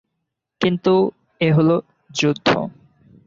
কিন্তু এ হল যুদ্ধ।